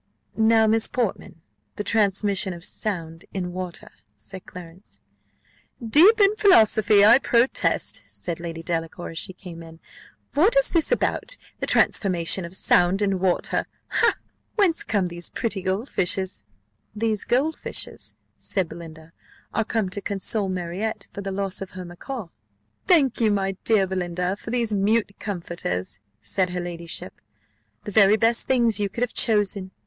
"Now, Miss Portman, the transmission of sound in water," said Clarence "Deep in philosophy, I protest!" said Lady Delacour, as she came in. "What is this about the transmission of sound in water? Ha! whence come these pretty gold fishes?" "These gold fishes," said Belinda, "are come to console Marriott for the loss of her macaw." "Thank you, my dear Belinda, for these mute comforters," said her ladyship; "the very best things you could have chosen."